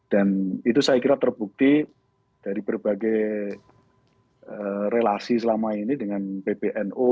dan itu saya kira terbukti dari berbagai relasi selama ini dengan pbno